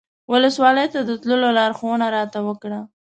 ولسوالۍ ته د تللو لارښوونه راته وکړه.